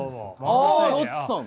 あロッチさん！